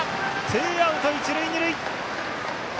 ツーアウト、一塁二塁！